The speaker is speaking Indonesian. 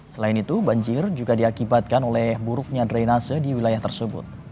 selain itu banjir juga diakibatkan oleh buruknya drainase di wilayah tersebut